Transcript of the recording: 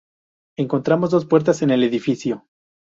Encontramos dos puertas en el edificio.